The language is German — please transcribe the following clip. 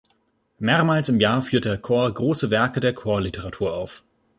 Mehrmals im Jahr führt der Chor große Werke der Chorliteratur auf.